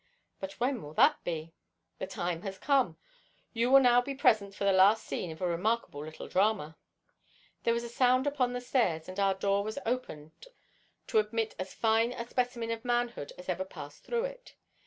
"But when will that be?" "The time has come. You will now be present at the last scene of a remarkable little drama." There was a sound upon the stairs, and our door was opened to admit as fine a specimen of manhood as ever passed through it.